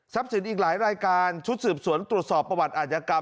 สินอีกหลายรายการชุดสืบสวนตรวจสอบประวัติอาจกรรม